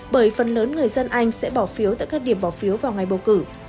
bởi phần lớn người dân anh sẽ bỏ phiếu tại các điểm bỏ phiếu vào ngày bầu cử